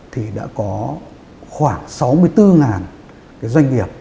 thì đã có khoảng sáu mươi bốn doanh nghiệp